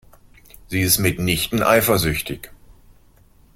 Sie ist mitnichten eifersüchtig.